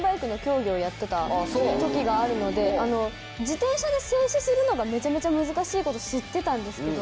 時があるので自転車で静止するのがめちゃめちゃ難しいこと知ってたんですけど。